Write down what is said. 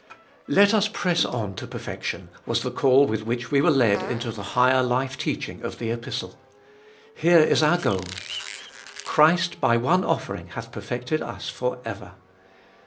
Let us press on to perfection, was the call with which we were led into the higher life teaching of the Epistle. Here is our goal. Christ, by one offering, hath perfected us for ever.